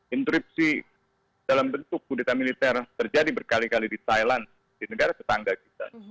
interupsi dalam bentuk budita militer terjadi berkali kali di thailand di negara tetangga kita